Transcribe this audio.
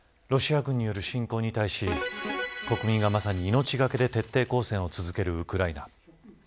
ロシア軍による侵攻に対し国民がまさに命懸けで徹底抗戦を続けるウクライナ。